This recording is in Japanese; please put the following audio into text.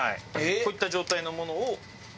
こういった状態のものを削って。